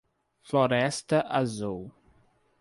Floresta Azul